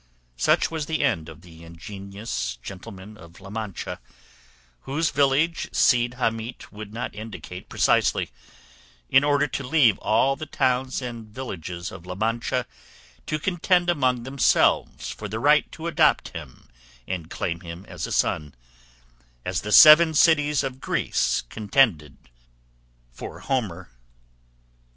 Such was the end of the Ingenious Gentleman of La Mancha, whose village Cide Hamete would not indicate precisely, in order to leave all the towns and villages of La Mancha to contend among themselves for the right to adopt him and claim him as a son, as the seven cities of Greece contended for Homer.